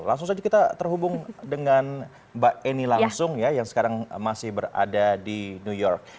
langsung saja kita terhubung dengan mbak eni langsung ya yang sekarang masih berada di new york